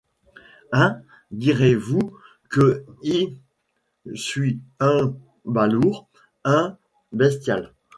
Hein ! direz-vous que ie suis ung balourd, ung bestial ?